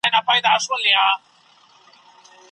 ملا ته وویل شول چې غلی شه.